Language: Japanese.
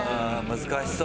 難しそう。